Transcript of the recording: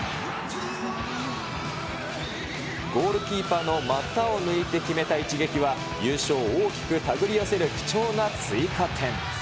ゴールキーパーの股を抜いて決めた一撃は、優勝を大きく手繰り寄せる貴重な追加点。